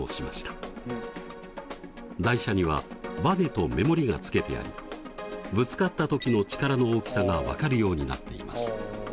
台車にはバネとメモリがつけてありぶつかった時の力の大きさが分かるようになっています。